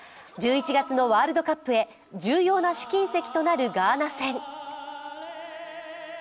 １１月のワールドカップへ重要な試金石となるガーナ戦。